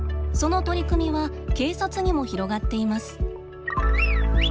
その取り組みは警察にも広がっています。